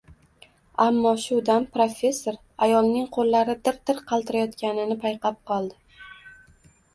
Ammo shu dam professor ayolning qo`llari dir-dir qaltirayotganini payqab qoldi